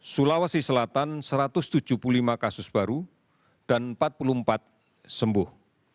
sulawesi selatan satu ratus tujuh puluh lima kasus baru dan empat puluh empat sembuh